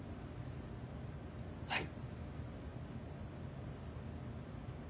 はい。